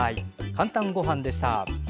「かんたんごはん」でした。